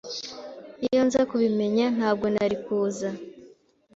Iyo nza kubimenya, ntabwo nari kuza.